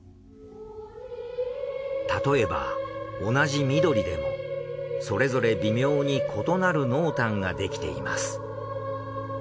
例えば同じ緑でもそれぞれ微妙に異なる濃淡ができています。